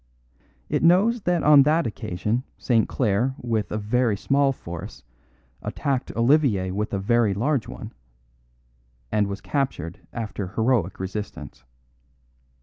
It knows that on that occasion St. Clare with a very small force attacked Olivier with a very large one, and was captured after heroic resistance.